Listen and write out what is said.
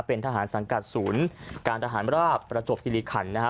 เป็นทหารสังกัดศูนย์การทหารราบประจวบคิริขันนะฮะ